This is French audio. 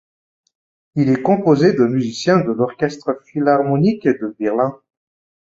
Il est composé de musiciens de l'Orchestre philharmonique de Berlin.